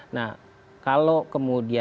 nah kalau kemudian